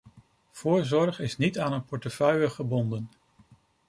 Voorzorg is niet aan een portefeuille gebonden.